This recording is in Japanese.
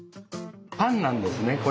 パンなんですね。